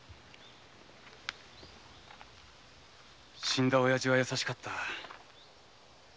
死んだ親父は優しかった。